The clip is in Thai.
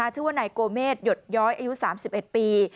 ชื่อว่านายโกเมษหยดย้อยอายุ๓๑ปี